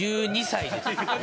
１２歳？